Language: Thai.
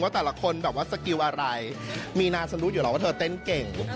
ว่าแต่ละคนสกิลอะไรมีนาจะรู้อยู่แล้วว่าเธอเต้นเก่ง